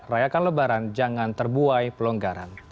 rayakan lebaran jangan terbuai pelonggaran